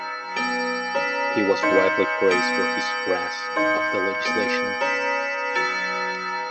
He was widely praised for his grasp of the legislation.